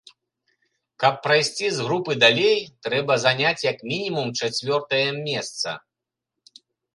Каб прайсці з групы далей, трэба заняць як мінімум чацвёртае месца.